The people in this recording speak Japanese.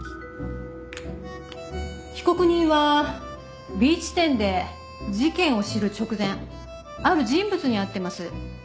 被告人はＢ地点で事件を知る直前ある人物に会ってます。